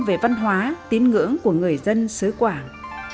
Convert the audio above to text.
về văn hóa tín ngưỡng của người dân xứ quảng